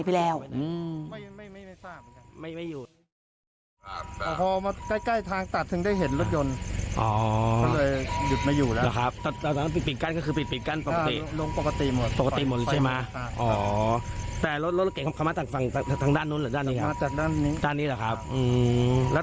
เพราะว่ารถเก่งยับเลยคนขับหายไปแล้ว